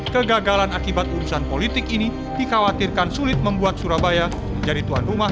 kegagalan akibat urusan politik ini dikhawatirkan sulit membuat surabaya menjadi tuan rumah